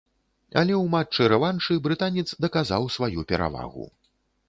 Але ў матчы-рэваншы брытанец даказаў сваю перавагу.